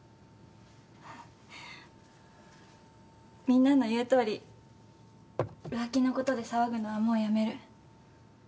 みんなの言うとおり浮気のことで騒ぐのはもうやめる。